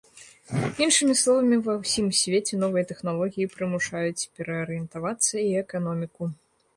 Іншымі словамі, ва ўсім свеце новыя тэхналогіі прымушаюць пераарыентавацца і эканоміку.